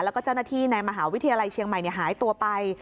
แล้วก็เจ้าหน้าที่ในมหาวิทยาลัยเชียงใหม่หายตัวไป